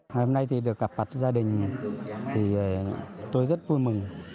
hôm nay được gặp lại gia đình tôi rất vui mừng